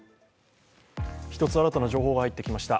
１つ新たな情報が入ってきました。